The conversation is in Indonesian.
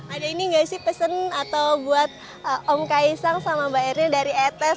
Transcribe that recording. ada ini gak sih pesen atau buat om kaisang sama mbak erina dari etez